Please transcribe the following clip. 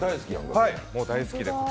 大好きで。